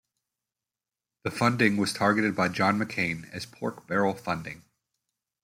The funding was targeted by John McCain as pork-barrel-funding.